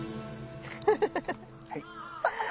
はい。